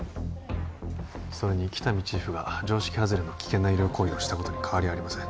それに喜多見チーフが常識外れの危険な医療行為をしたことに変わりはありません